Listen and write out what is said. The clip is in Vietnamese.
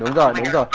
đúng rồi đúng rồi